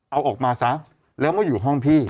เอาออกมาซะแล้วมาอยู่ห้องพี่